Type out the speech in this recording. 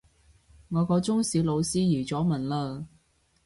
我個中史老師移咗民喇